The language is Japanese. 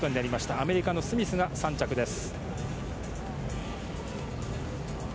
アメリカのスミスが３着です。